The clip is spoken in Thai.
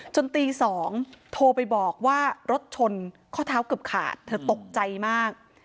ตี๒โทรไปบอกว่ารถชนข้อเท้าเกือบขาดเธอตกใจมาก